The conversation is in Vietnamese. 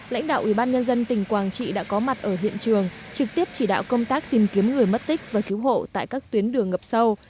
lãnh đạo ubnd tỉnh quảng trị đã có mặt ở hiện trường trực tiếp chỉ đạo công tác tìm kiếm người mất tích và cứu hộ tại các tuyến đường ngập sâu